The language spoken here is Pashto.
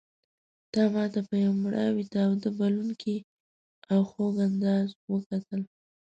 تا ماته په یو مړاوي تاوده بلوونکي او خوږ انداز وکتل.